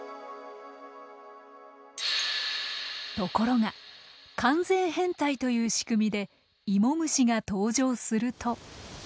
ところが完全変態というしくみでイモムシが登場すると。